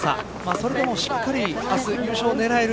それでもしっかり明日優勝狙える